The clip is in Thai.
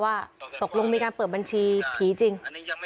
อย่างที่บอกนะคะว่าตกลงมีการเปิดบัญชีผีจริง